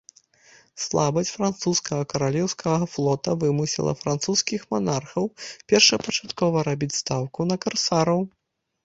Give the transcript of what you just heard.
Слабасць французскага каралеўскага флота вымусіла французскіх манархаў першапачаткова рабіць стаўку на карсараў.